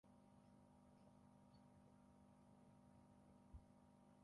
nakushukuru sana emmanuel makundi mimi nikutakie tu jioni njema ahsante sana